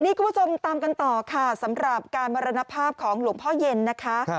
นี่คุณผู้ชมตามกันต่อค่ะสำหรับการมรณภาพของหลวงพ่อเย็นนะคะ